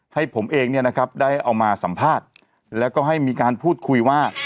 ให้ผมเองเนี่ยนะครับได้เอามาสัมภาษณ์แล้วก็ให้มีการพูดคุยว่า